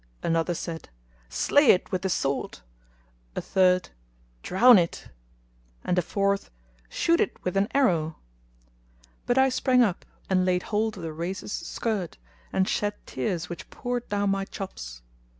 another said, "Slay it with the sword;" a third, "Drown it;" and a fourth, "Shoot it with an arrow." But I sprang up and laid hold of the Rais's[FN#228] skirt, and shed tears which poured down my chops.